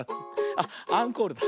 あっアンコールだ。